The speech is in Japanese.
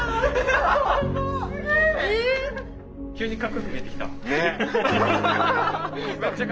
急にかっこよく見えてきた。ね！